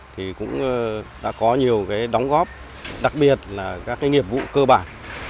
thì cũng đã có nhiều đóng góp đặc biệt là các cái nghiệp vụ cơ bản